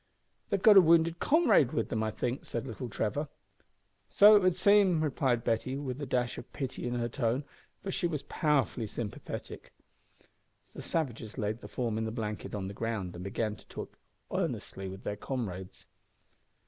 "They've got a wounded comrade with them, I think," said little Trevor. "So it would seem," replied Betty, with a dash of pity in her tone, for she was powerfully sympathetic. The savages laid the form in the blanket on the ground, and began to talk earnestly with their comrades.